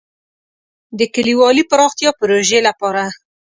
د کلیوالي پراختیا پروژې لپاره.